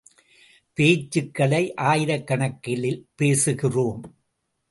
பேச்சுகளை ஆயிரக் கணக்கில் பேசுகிறோம்.